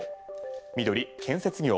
緑、建設業。